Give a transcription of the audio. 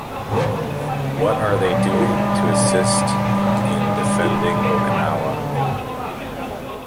What are they doing to assist in defending Okinawa?